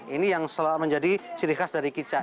ini yang menjadi ciri khas dari kicah